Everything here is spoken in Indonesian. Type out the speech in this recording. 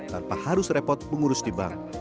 tanpa harus repot mengurus di bank